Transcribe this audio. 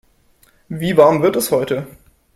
Wie warm wird es heute?